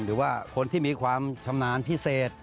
หรือว่าคนที่มีความชำนาญพิเศษ